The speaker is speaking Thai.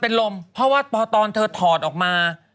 เป็นลมเพราะว่าตอนเธอถอดออกมา